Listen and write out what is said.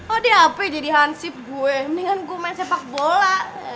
oh di hp jadi hansip gue mendingan gue main sepak bola